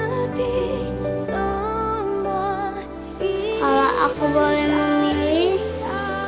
kalau aku boleh memilih